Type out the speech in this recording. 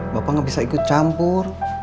bapak gak bisa ikut campur